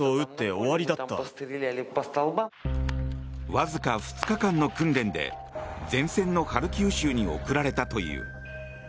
わずか２日間の訓練で前線のハルキウ州に送られたという。